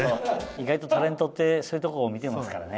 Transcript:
意外とタレントってそういうとこ見てますからね。